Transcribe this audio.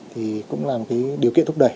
thì cũng là một cái điều kiện thúc đẩy